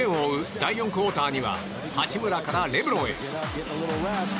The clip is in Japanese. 第４クオーターには八村からレブロンへ。